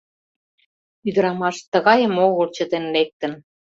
Ӱдырамаш тыгайым огыл чытен лектын.